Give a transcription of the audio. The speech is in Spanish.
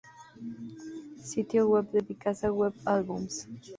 Sitio web de Picasa Web Albums